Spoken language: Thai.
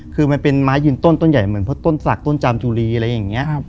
คือมันเป็นไม้ยืนต้นต้นใหญ่เหมือนเพราะต้นศักดิต้นจามจุรีอะไรอย่างนี้